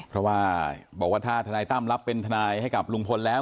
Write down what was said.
เพราะว่าบอกว่าถ้าทนายตั้มรับเป็นทนายให้กับลุงพลแล้ว